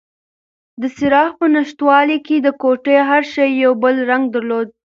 د څراغ په نشتوالي کې د کوټې هر شی یو بل رنګ درلود.